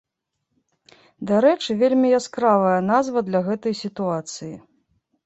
Дарэчы, вельмі яскравая назва для гэтай сітуацыі.